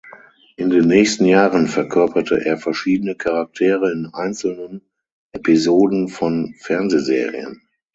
In den nächsten Jahren verkörperte er verschiedene Charaktere in einzelnen Episoden von Fernsehserien.